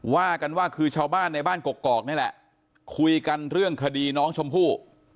ว่ากันว่าคือชาวบ้านในบ้านกกอกนี่แหละคุยกันเรื่องคดีน้องชมพู่